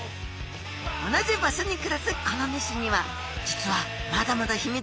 同じ場所に暮らすこの２種には実はまだまだ秘密があるんです。